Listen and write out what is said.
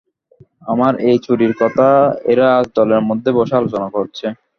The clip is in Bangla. আমার এই চুরির কথা এরা আজ দলের মধ্যে বসে আলোচনা করছে!